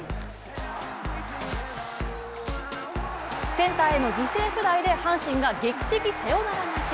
センターへの犠牲フライで阪神が劇的サヨナラ勝ち。